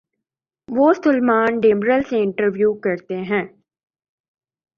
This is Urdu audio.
وہ سلمان ڈیمرل سے انٹرویو کرتے ہیں۔